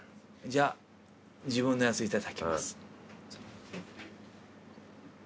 じゃあ自分のやついただきます。